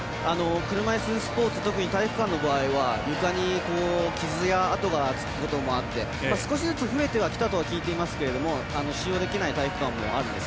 車いすスポーツ特に体育館の場合は床に傷や跡がつくこともあって少しずつ、増えてきたとは聞いていますが、使用できない体育館もあるんです